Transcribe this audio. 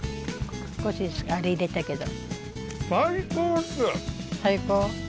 少しあれ入れたけど。